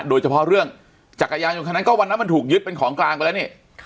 โดยเฉพาะเรื่องจักรยานยนต์คันนั้นก็วันนั้นมันถูกยึดเป็นของกลางไปแล้วนี่